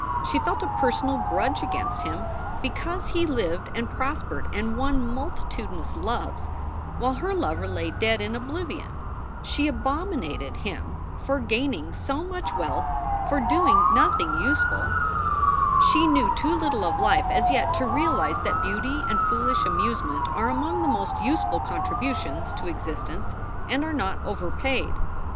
She felt a personal grudge against him because he lived and prospered and won multitudinous loves, while her lover lay dead in oblivion. She abominated him for gaining so much wealth for doing SOULS FOR SALE 77 nothing useful. She knew too little of life as yet to realize that beauty and foolish amusement are among the most useful contributions to existence and are not overpaid.